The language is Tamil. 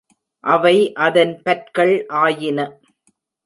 அவை அதன் பற்கள் ஆயின.